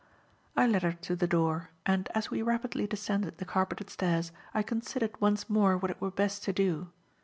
I led her to the door, and, as we rapidly descended the carpeted stairs, I considered once more what it were best to do.